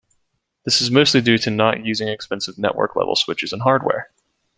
This is mostly due to not using expensive Network level switches and hardware.